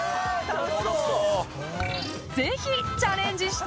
楽しそう。